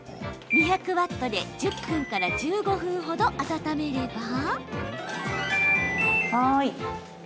２００ワットで１０分から１５分ほど温めれば。